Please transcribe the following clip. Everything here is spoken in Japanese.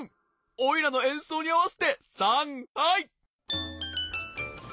おいらのえんそうにあわせてさんはい！